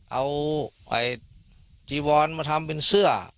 เอาไอ้จีวรมาทำเป็นเสื้อ